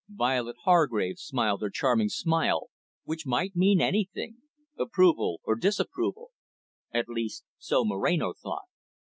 Violet Hargrave smiled her charming smile, which might mean anything, approval or disapproval. At least, so Moreno thought.